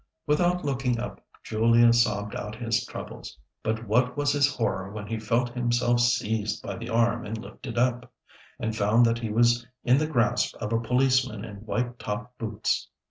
Without looking up, Julia sobbed out his troubles; but what was his horror when he felt himself seized by the arm and lifted up, and found that he was in the grasp of a policeman in white top boots.